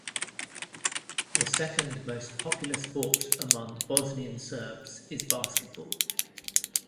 The second most popular sport among Bosnian Serbs is basketball.